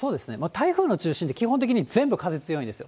台風の中心って、基本的に全部風強いんですよ。